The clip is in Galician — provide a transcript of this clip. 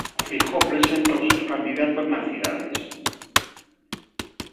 Feijóo presenta os seus candidatos nas cidades.